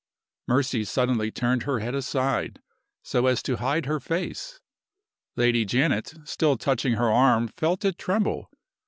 Mercy suddenly turned her head aside, so as to hide her face. Lady Janet, still touching her arm, felt it tremble.